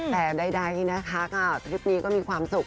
แต่ใดนะคะครับทริปนี้ก็มีความสุขค่ะ